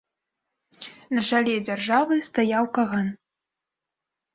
На чале дзяржавы стаяў каган.